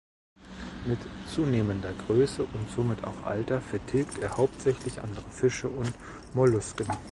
Mit zunehmender Größe und somit auch Alter vertilgt er hauptsächlich andere Fische und Mollusken.